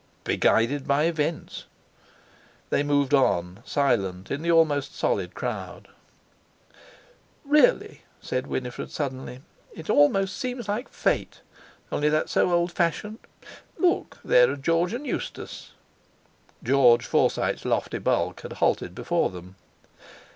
"Be guided by events." They moved on, silent, in the almost solid crowd. "Really," said Winifred suddenly; "it almost seems like Fate. Only that's so old fashioned. Look! there are George and Eustace!" George Forsyte's lofty bulk had halted before them.